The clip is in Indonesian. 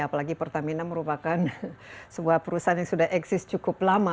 apalagi pertamina merupakan sebuah perusahaan yang sudah eksis cukup lama